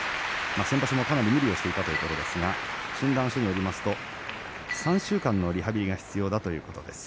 先場所も、かなり無理をしていたということですが診断書によると３週間のリハビリが必要だということです。